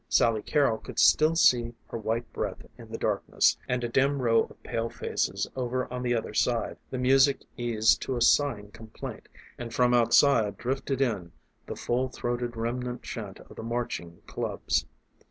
Sally Carrol could still see her white breath in the darkness, and a dim row of pale faces over on the other side. The music eased to a sighing complaint, and from outside drifted in the full throated remnant chant of the marching clubs.